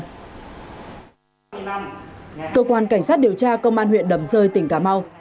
thưa quý vị trong thời gian gần đây người dân tại một số địa bàn của huyện đầm rơi tỉnh cà mau có trình báo